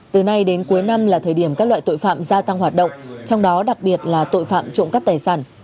từ nay đến cuối năm là thời điểm các loại tội phạm gia tăng hoạt động trong đó đặc biệt là tội phạm trộm cắp tài sản